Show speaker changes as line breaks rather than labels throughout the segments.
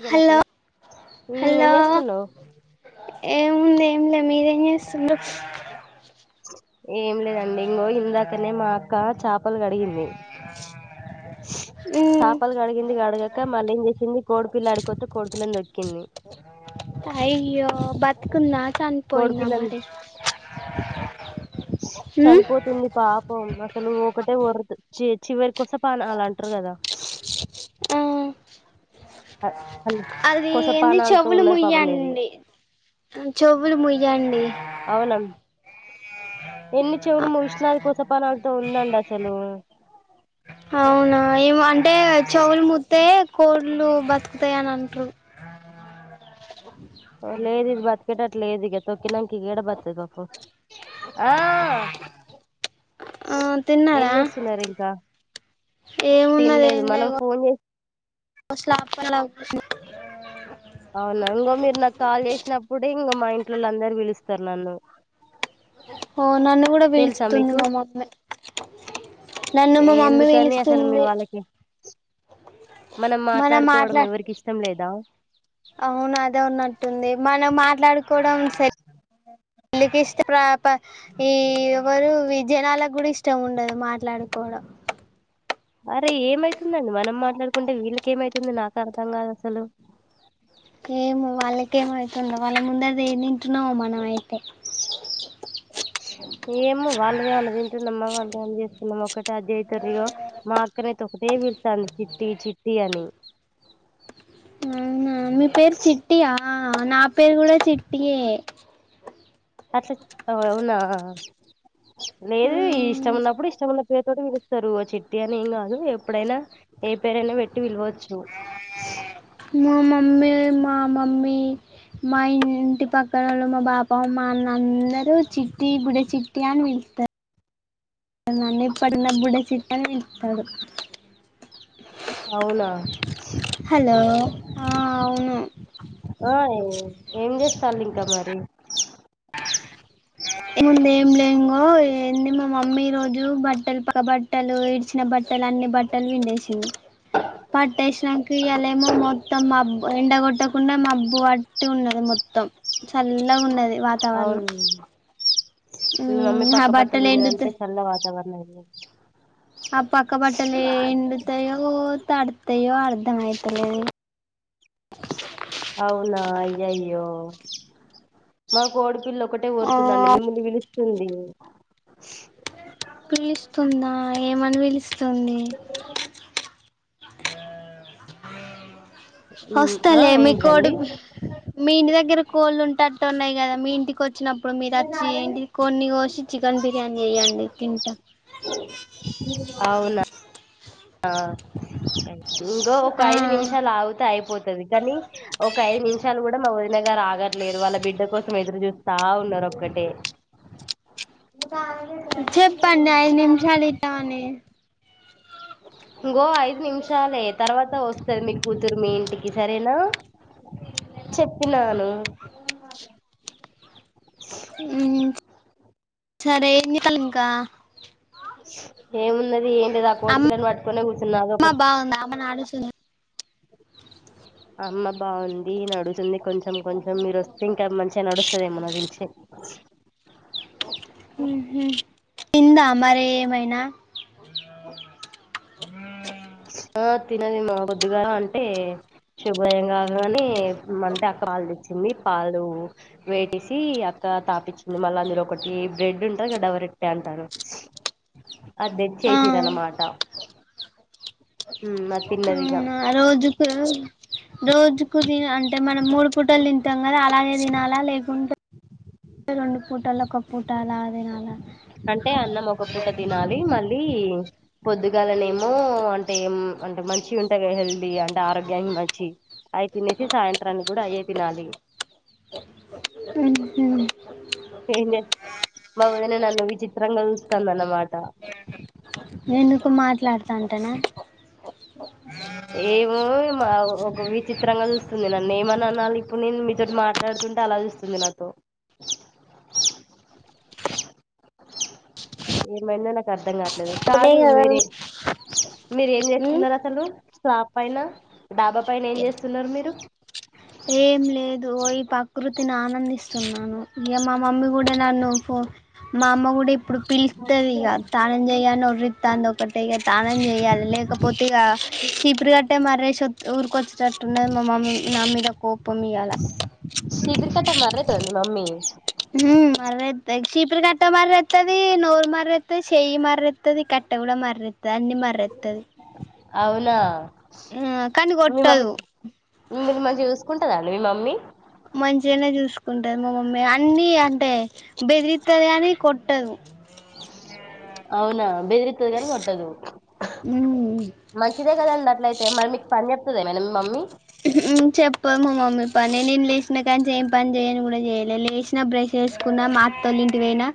ఇగ
హలో
నాకిన ఉమ్
హలో
ఏం చేస్తున్నావ్
ఏముంది ఏం లే మీరేం జేసులు.
ఏం లేదండి ఇంగో ఇందాకనే మా అక్క చేపలు కడిగింది.
ఉమ్
కాప్ వాల్ కడిగింది గడగా మల్ ఏం జేసింది కోడిపిల్ల ఆడికొచ్చే కోడి పిల్లన్ దోక్కింది. ఆ
అయ్యో బతికుందా చనిపోయిందా
కోడిపిల్లని
మరి. ఉమ్
చనిపోతుంది పాపం అసలు ఒకటే వరదు చివరి కోస పనాలు అంటారు గదా.
ఆహ్
హా
అది ఏంది చెవులు
ఇది
ముయ్యండి చెవులు ముయ్యండి.
అవునం ఎన్ని చెవులు ముషన్నా అద్ కోస పనాలతో ఉందండి అసలు
అవునా ఏమో అంటే చెవులు ముతే కోళ్లు బతుకుతాయి అని అంట్రు.
లేద్ ఇద్ బత్ కేటాట్ లేదు ఇగా తోకినకా ఇగా ఏడా భక్తద్ గోపో ఆ
ఆ
ఏ
తిన్నారా
జేసున్నారు ఇంకా
ఏమున్నది
తినలేద్
ఏం లే
మనం
ఇగో
ఫోన్ జేస్
[inaudible]
అవునా ఇంకో మీరు నాకు కాల్ చేసినప్పుడే ఇంగ మా ఇంట్లోలొల్లు అందరు పిలుస్తారు నన్ను
ఓ నన్ను కూడా
తెలుసా
పిలుస్తుంది
మీకు
మా మమ్మీ నన్ను మా మమ్మీ
ఎందుకని అసలు మీ
పిలుస్తుంది
వాళ్ళకి మనం మాట్లాడుకోవడం ఎవరికి ఇష్టం లేదా
అవును అదే ఉన్నట్టుంది మనం మాట్లాడుకోవడం స [unintelligible] ఇష్టా [inaudible] ఈ ఎవ్వరు జనాలకు కూడా ఇష్టం ఉండదు మాట్లాడుకోవడం
అరే ఏమైతుందండి మనం మాట్లాడుకుంటే వీళ్ళకి ఏమైతుంది నాకు అర్థం కాదు అసలు
ఏమో వాళ్ళకి ఏమైతుందో వాళ్ళ అందరిది ఏం తింటున్నామో మనం అయితే
ఏమో వాళ్లదేమన్న తింటుంనమా వాళ్ళ ఫోన్ చేస్తే ఒక్కటే ఆజ్ అయితారు ఇగో మా అక్కనైతే ఒకటే పిల్తంది చిట్టి చిట్టి అని
అవునా మీ పేరు చిట్టియా నా పేరు కూడా చిట్టియే
అట్ల అవునా లేదు ఇష్టం ఉన్నప్పుడు ఇష్టమున్న పేరుతోటి పిలుస్తారు చిట్టి అని ఏం కాదు ఎప్పుడైనా ఏ పేరైనా పెట్టి పిలవచ్చు
మా మమ్మీ మా మమ్మీ మా ఇంటి పక్కన ఉన్న మా బాప మా అన్న అందరూ చిట్టి బుడ్డ చిట్టి అని పిలుత్తారు నన్ని పడిన బుడ్డ చిట్టి అని పిలుత్తండు
అవునా
హలో ఆ అవును
ఆ ఏం చేస్తారు ఇంకా మరి
ఇంగేం లే ఇంగో ఏంది మా మమ్మీ ఈ రోజు బట్టలు పక్క బట్ట బట్టలు ఇడిచిన బట్టలు అన్ని బట్టలు పిండేసింది పట్టేసినంక ఇయలేమొ మో మొత్తం మబ్ ఎండగొట్టకుండా మబ్బు పట్టి ఉన్నది మొత్తం చల్లగా ఉన్నది
అవును
వాతావరణం
మీ మమ్మీ
మ్మ్ ఆ
పక్క బట్టలు
ఎండుత
పిండిందంటే చల్ల వాతావరణం అయి
ఆ పక్క బట్టలే ఎండుతాయో తడతాయో అర్ధం అయితలే
అవున అయ్యయ్యో మా కోడి పిల్ల ఒక్కటే
ఆ
కోరుతుందండి మిమ్మల్ని పిలుస్తుంది
పిలుస్తుందా ఏమని పిలుస్తుంది
ఉమ్, ఆ
వస్తాలే మీ కోడి
ఏంటిదండి
మీ ఇంటి దగ్గర కోళ్ళు ఉంటట్టు ఉన్నాయి కదా మీ ఇంటికి వచ్చినప్పుడు మీరు వచ్చి ఏంటి కొన్ని కోసి చికెన్ బిర్యానీ చెయ్యండి తింటా
అవునా ఆ ఇంగో ఒక ఐదు
ఆ
నిమిషాలు ఆగుతే అయిపోతది కానీ ఒక ఐదు నిమిషాలు కూడా మా వదిన గారు ఆగట్లేరు వాళ్ళ బిడ్డ కోసం ఎదురు చూస్తా ఉన్నారు ఒక్కటే [unintelligible]
చెప్పండి ఐదు నిమిషాలు ఇత్తమని
ఇంగో ఐదు నిమిషాలే తర్వాత వస్తది మీ కూతురు మీ ఇంటికి సరేనా చెప్పినాను
మ్మ్ సరే ఎన్నికలు ఇంకా
ఏమున్నది ఏంటి లేదు ఆ కోడిపిల్లను పట్టుకునే కూర్చున్నా అదోకటి
అవున మా నాన్న వస్తుండు
అమ్మ బాగుంది నడుగుతుంది కొంచెం కొంచెం మీరు వస్తే ఇంకా మంచిగా నడుస్తదేమో నాకు తెలిసి బ
మ్మ్ఉహ్మ్ తిందా మరి ఏమైనా
ఆ తినది మా బొద్దుగా అంటే శుభోదయం కాగానే మంతా పాలు తెచ్చింది పాలు వేటేసి అక్క తాపిచ్చింది మళ్ళా అందులో ఒకటి బ్రెడ్ ఉంటది కదా డబరొట్టె అంటారు అది
ఆ
తేచేసిర్రు అనమాట ఉమ్మ్ అది తిన్నది ఇగ
ఆ రోజుకు రోజుకు తిన అంటే మనం మూడు పూటలు తింటాం కదా అలాగే తినాలా లేకుంటే రెండు పూటలు ఒక పూట అలా తినాలా
అంటే అన్నం ఒక పూట తినాలి మళ్ళీ పొద్దుగాలనే ఏమో అంటే ఏం అంటే మంచిగా ఉంటా కదా హెల్దీ అంటే ఆరోగ్యానికి మంచి అయి తినేసి సాయంత్రానికి కూడా అయే తినాలి
మ్మ్ఉహ్మ్
ఏంచే మా వదిన నన్ను విచిత్రంగా చూస్తాంది అనమాట
ఎందుకు మాట్లాడు తాంటేనా ఉ
ఏమో మా ఒక విచిత్రంగా చూస్తుంది నన్ను ఏమననాలి ఇప్పుడు నేను మీతోటి మాట్లాడుతుంటే అలా చూ స్తుంది నాతో ఏమైందో నాకు అర్ధం కావట్లేదు
అదే
కాదు
కదా
మీరే మీరేం చేస్త
ఉ
అసలు షాప్ పైన డాబా పైన ఏం చేస్తున్నారు మీరు
ఏం లేదు ఈ ప్రకృతిని ఆనందిస్తున్నాను ఇగ మా మమ్మీ కూడా నన్ను ఫో మా అమ్మ కూడా ఇప్పుడు పిలుస్తది ఇగ త తానం చేయ్యని ఒర్రుత్తాంది ఒకటే ఇగ తానం చెయాలి లేకపోతే ఇక చిపురి కట్టే మరే ఊరికొచ్చేటట్టున్నది మా మమ్మీ నా మీద కోపం ఇయ్యాల
చీపురు కట్ట మర్రితో మీ మమ్మీ
ఉమ్మ్ మర్రే సీపురు కట్ట మర్రేత్తాది నోరు మర్రేత్తాది సేయి మర్రేత్తది కట్టే కూడా మర్రే త్తది అన్ని మర్రేత్తాది
అవునా
ఆ కానీ
మీ మమ్మ
కొట్టదు
మిమ్మల్ని బా చూసుకుంటాదండి మీ మమ్మీ
మంచిగానే చూసుకుంటాది మా మమ్మీ అన్ని అంటే బెదిరిత్తాది కానీ కొట్టదు
అవునా బెదిరిత్తాది కానీ కొట్టదు
ఉమ్
మంచిదే కదండి అట్లయితే మరి మీకు పని చెప్తాదా ఏమైనా మీ మమ్మీ
ఉమ్మ్ చెప్పదు మా మమ్మీ పని నేన్ లేసినా కానుంచి ఏం పని చేయ్యను కూడా చెయ్యలే లేచినా బ్రష్ చేసుకున్న మా అత్తోల్ల ఇంటికి పోయినా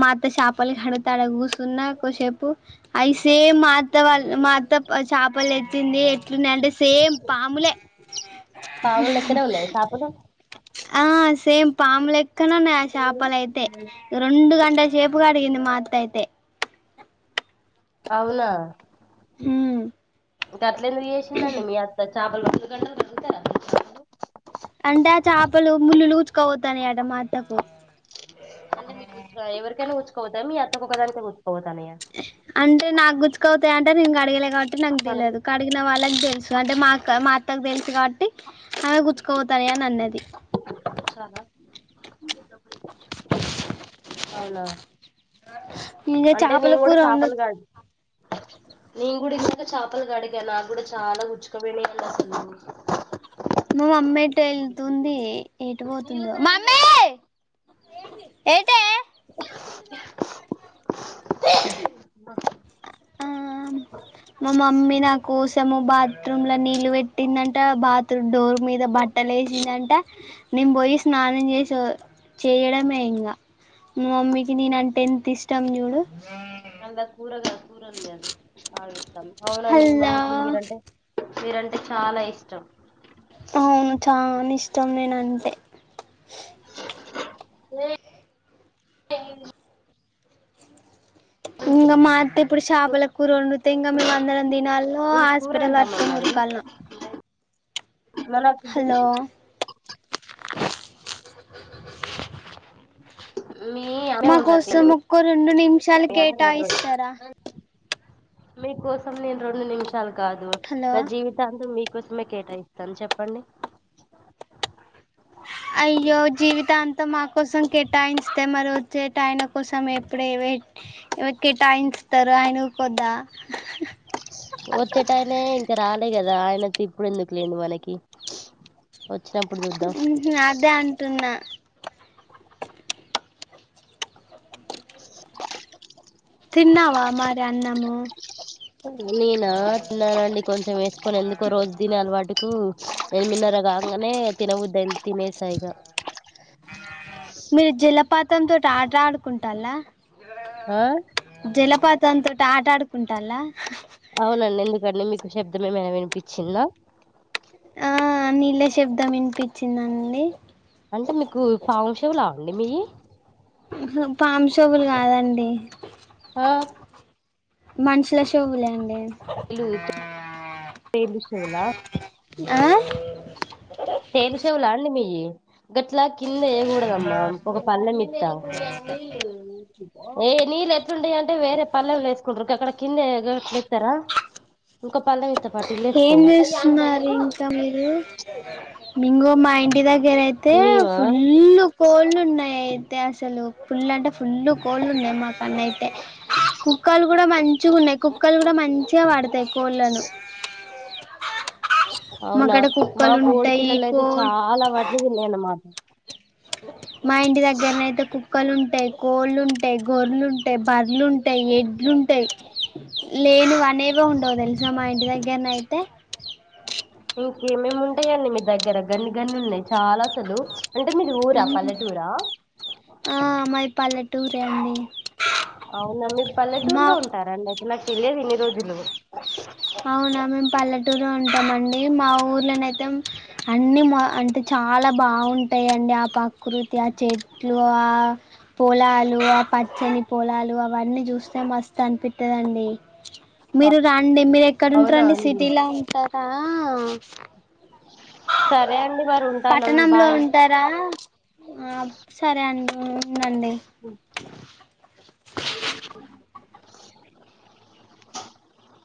మా అత్త షాపాలు కడిగితే ఆడ కూసున్న కోసేపు అయి సేమ్ మా అత్త వాళ్ళ మా అత్త చేపలు తెచ్చింది ఎట్లునయంటే సేమ్ పాములే
పాములు లేక్కడే ఉన్నాయా చాపలు
ఆ సేమ్ పాములు లేక్కనే ఉన్నాయి ఆ చేపాలు అయితే రెండు గంట సే పు కడిగింది మా అత్త అయితే
అవునా
ఊమ్
గట్ల ఎందుకు జేసిందండి మీ అత్త చాపలు గంటలు బ
అంటే, ఆ చాపలు ముళ్ళులు గుచ్చుక పోతాన్నయట మా అత్తకు.
అంటే, మీకు ఆ ఎవరికైనా గుచ్చుక వోతయ? మీ అత్తకు ఒక దానికే గుచ్చుక బోతాన్నయా?
ఇహ్! అంటే, నాకు గుచ్చుక బోతయి అంటే, నేను గడగలే గాబట్టి నాకు
చాలా
తెలియదు. కడిగిన వాళ్ళకి దెలుసు అంటే, మాక్క, మా అత్తకు దెలుసు గావట్టి. అలా గుచ్చుక బోతాయా? అని అన్నది.
అవునా?
ఇంక
అంటే,
చేపల
నేను గుడా
కూర
చాపలు
వండొద్దు
గాడి నేను గుడ ఇందాక చాపలు గడిగా. నాకు గుడ చాల గుచ్చుక బొయినయి అవి అసలూ
మా మమ్మెటో ఎళ్తుందీ, ఎటు బోతుందో! మమ్మీ! ఎటే? ఊఁ మా మమ్మీ నా కోసము బాత్రూమ్ ల నీళ్ళు పెట్టిందటా, బాత్రూమ్ డోర్ మీ బట్టలు ఏసిందంట. నేను బొయి స్నానం జేసి ఒ చెయ్యడమే ఇంగ. మా మమ్మికి నేనంటె ఎంతిష్టం జూడు.
అంత కూడగా కూరలున్నయని ఆగి ఇతమతం. అవునండి మీ
హల్లా
మమ్మీకి మీరంటే మీరంటె చాల ఇష్టం.
అవును, చాన ఇష్టం నేనంటే.
ఏ
ఉమ్ ఇంగ మా అత్త ఇప్పుడు చాపల కూర ఒండుతే, ఇంగ మేము అందరం దినాలి. ఓ
ఇది కూర
హాస్పిటల్
అంటామా
అక్కనే
మరి
ఉరుకాల్న?
మనకు బీ
హలో
పి మీ అమ్మే
మా
వండుతది
కోసం ఒక్కో రెండు నిమిషాలు కేటాయిస్తారా?
మీకోసం నేను రొండు నిమిషాలు కాదు నా
హలో
జీవి దాంతో మీ కోసమే కేటాయిస్తాన్ చెప్పండి.
అయ్యో! జీవితాంతం మా కోసం కేటాయింస్తే మరొచ్చేటాయన కోసం ఎప్పుడే వేట్ ఎవర్కి కేటాయింస్తరో ఆయనూకోద్దా?
ఒచ్చేటైనే ఇంక రాలే గదా! ఆయనకిప్పుడు ఎందుకు లేంది మనకి. ఒచ్చినప్పుడు జూద్దాం.
అదే అంటున్నా. తిన్నావా మరి అన్నమూ?
నేనా? తిన్నానండి కొంచెం ఏసుకొని, ఎందుకో రోజు దినే అలవాటుకూ. ఎనిమిదినర గాంగనే తినబుద్ది అయింది. తినే సైగా
మీరు జెలపాతం తోటి ఆట ఆడుకుంటాండ్లా?
ఆ
జెలపాతం తోటి ఆట ఆడుకుంటాండ్లా?
అవునండి, ఎందుకట్ల మీకు శబ్దం ఏమైనా వినిపిచ్చిందా?
ఆ నీళ్లె శబ్దం వినిపిచ్చిందండి?
అంటే మీకూ, పావు చెవులా అండి మీయి?
అహ, పాము చెవులు గాదండి.
ఆ
మనుషుల షెవ్వులే అండి
ఈ చె తేవిషెవ్లా
ఆ
తేవి షెవులాండి మీయి గట్లా కింద ఎయాగుడదమ్మా ఒక పళ్ళెం ఇత్తా ఏ నీళ్ళు ఎట్లుంటాయి అంటే వేరే పళ్లెంల ఎస్కుంట్రు గక్కడ కిందే గా ట్లేతరా ఇంకో పల్లం ఇత్తపాటు ఇల్లు ఎస్కో
గ మీరూ మింగో మా ఇంటి దెగ్గరా అయితే
మేమా
ఫూల్ ఉ కోళ్ళు ఉన్నాయి అయితే అసలు ఫుల్ అంటే ఫుల్ కోళ్ళు ఉన్నాయి మా కన్నై కుక్కలు గూడా మంచూ గున్నాయి కుక్కలు గూడా మంచీగా వాడ్తాయి కోళ్ళలను
అవునా
మాకాడ
మా
కుక్కలు ఉంటాయి కో
కోడిపిల్లన్లేతే చాలా వాటిని తిన్నాయి అన్నమా
మా ఇంటి దెగ్గర్నేతే కుక్కలుంటై, కోళ్ళుంటై, గోర్లుంటై, బర్రలు ఉన్ టై ఎడ్లుంటై లేనివి అనేవే ఉండవు తెల్సా మా ఇంటి దెగ్గర్నైతే
ఇంకేమేమి ఉంటాయండి మీ దగ్గర గన్ని గన్నీ ఉన్నాయి చాలా అసలు అంటే మీది ఊరా పల్లెటూరా
ఆ మాది పల్లెటూరే అండి మా
నాక్ తెలియదు ఇన్ని రోజులు
అవునా మేము పల్లెటూరు ఉంటామండి మా ఊర్లోనైతే అన్ని మా అంటే చాలా బావుంటాయండి ఆ ప్రకృతి ఆ చెట్లు ఆ పొలాలు ఆ పచ్చని పోలాలు అవ్ అవన్నీ జుస్తే మస్తు అనిపితదండి మీరు రాండి మీరు ఎక్కడ
అవునా
ఉంటారండి
అండి
సిటీలా ఉంటారా
సరే అండి మరి ఉంటాను
పటణంలో
బాయ్
ఉంటా దా ఆ సరేఅండి ఉందండి
ఉ